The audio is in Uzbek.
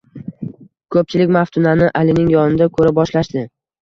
Ko`pchilik Maftunani Alining yonida ko`ra boshlashdi